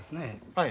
はい。